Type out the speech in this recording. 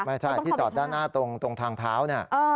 ไม่ใช่ที่จอดด้านหน้าตรงทางเท้าเนี่ย